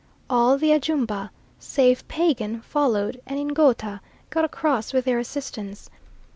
All the Ajumba, save Pagan, followed, and Ngouta got across with their assistance.